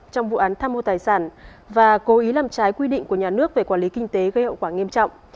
trong vụ án tham mô tài sản và cố ý làm trái quy định của nhà nước về quản lý kinh tế gây hậu quả nghiêm trọng